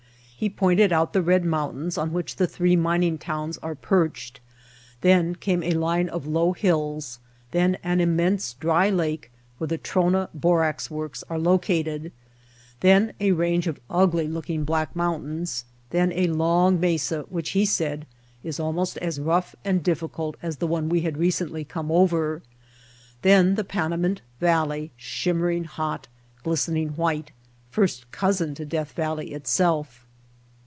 He pointed out the red mountain on which the three min ing towns are perched, then came a line of low hills, then an immense dry lake where the Trona Borax Works are located, then a range of ugly looking black mountains, then a long mesa which he said is almost as rough and difficult as the one we had recently come over, then the Panamint Valley, shimmering hot, glistening white, first cousin to Death Valley itself.